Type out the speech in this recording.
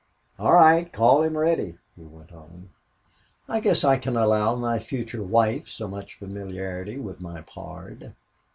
"All right, call him Reddy," he went on. "I guess I can allow my future wife so much familiarity with my pard."